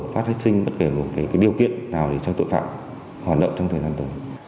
phát sinh bất kể một cái điều kiện nào cho tội phạm hoạt động trong thời gian tới